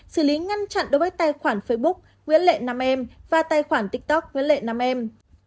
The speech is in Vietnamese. xử lý ngăn chặn đối với tài khoản facebook nguyễn lệ nam em và tài khoản tiktok với lệ năm em